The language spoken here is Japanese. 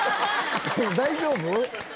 大丈夫？